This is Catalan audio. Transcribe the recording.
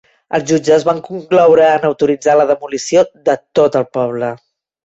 Els jutges van concloure en autoritzar la demolició de tot el poble.